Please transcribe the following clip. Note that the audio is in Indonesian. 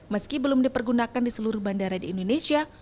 meski belum dipergunakan di seluruh bandara di indonesia